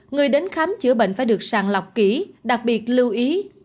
người đến khám chữa bệnh phải được sàng lọc kỹ đặc biệt lưu ý